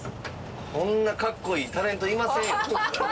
こんなかっこいいタレントいませんよ。